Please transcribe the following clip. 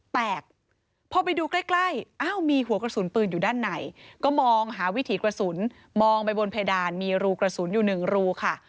แตกพอไปดูใกล้ใกล้อ้าวมีหัวกระสุนปืนอยู่ด้านในก็มองหาวิถีกระสุนมองไปบนเพดานมีรูกระสุนอยู่หนึ่งรูค่ะ